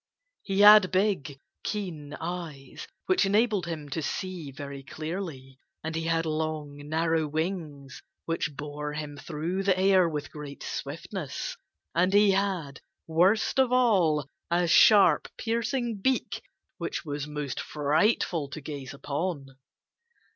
He had big, keen eyes which enabled him to see very clearly. And he had long, narrow wings which bore him through the air with great swiftness. And he had worst of all a sharp, piercing beak which was most frightful to gaze upon.